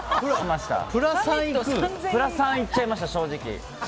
プラ３いっちゃいました正直。